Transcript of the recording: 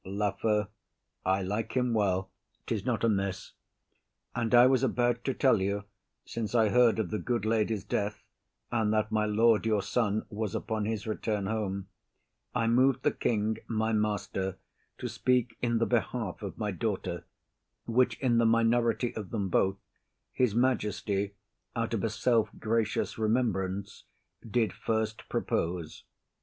LAFEW. I like him well; 'tis not amiss. And I was about to tell you, since I heard of the good lady's death, and that my lord your son was upon his return home, I moved the king my master to speak in the behalf of my daughter; which, in the minority of them both, his majesty out of a self gracious remembrance did first propose.